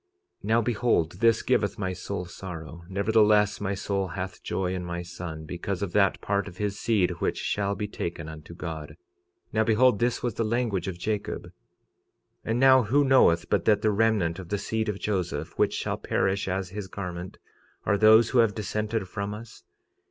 46:25 Now behold, this giveth my soul sorrow; nevertheless, my soul hath joy in my son, because of that part of his seed which shall be taken unto God. 46:26 Now behold, this was the language of Jacob. 46:27 And now who knoweth but what the remnant of the seed of Joseph, which shall perish as his garment, are those who have dissented from us?